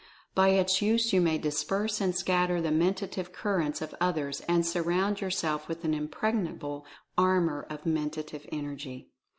By its use you may disperse and scatter the Mentative Currents of others and surround yourself with an impregnable armor of Mentative Energy.